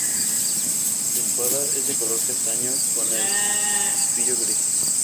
Su espalda es de color castaño, con el obispillo gris.